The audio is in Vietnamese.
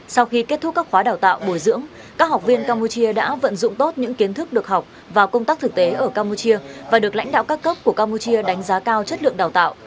sau khi kết thúc các khóa đào tạo bồi dưỡng các học viên campuchia đã vận dụng tốt những kiến thức được học và công tác thực tế ở campuchia và được lãnh đạo các cấp của campuchia đánh giá cao chất lượng đào tạo